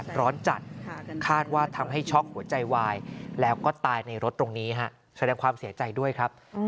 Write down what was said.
แสดงความเสียใจด้วยครับ